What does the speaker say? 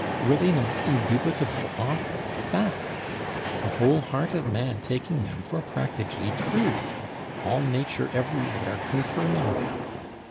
Were they not indubitable awful facts, the whole heart of man taking them for practically true, all Nature everywhere confirming them?